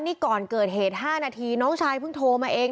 นี่ก่อนเกิดเหตุ๕นาทีน้องชายเพิ่งโทรมาเอง